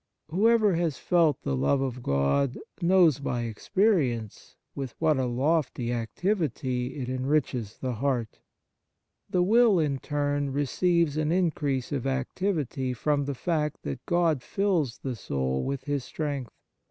Whoever has felt the love of God knows by experience with what a lofty activity it enriches the heart. The will, in turn, receives an increase of activity from the fact that God fills the soul with His strength.